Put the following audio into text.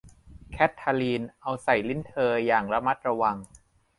แคททาลีนเอาใส่ลิ้นเธออย่างระมัดระวัง